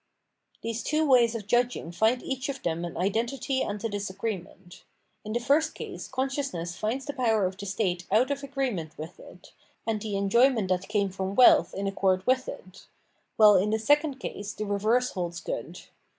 These two ways of judging find each of them an identity and a disagreement. In the first case conscious ness finds the power of the state out of agreement with it, and the enjoyment that came from wealth in accord with it ; while in the second case the reverse holds good.